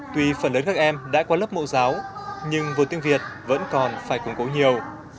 tuy phần lớn các em đã có lớp mẫu giáo nhưng vừa tiếng việt vẫn còn phải củng cố nhiều